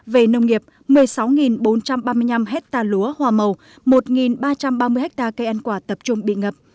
về nông nghiệp hai mươi năm hecta lúa hòa màu một ba trăm ba mươi hecta cây ăn quả tập trung bị ngập